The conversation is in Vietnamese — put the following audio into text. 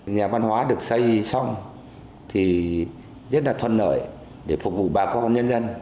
nhà văn hóa được xây xong thì rất là thuận lợi để phục vụ bà con nhân dân